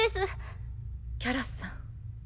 キャラさん。